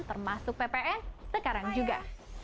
termasuk ppn sekarang juga